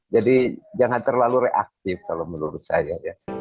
jadi jangan terlalu reaktif kalau menurut saya